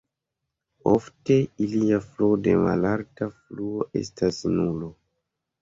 Ofte ilia fluo de malalta fluo estas nulo.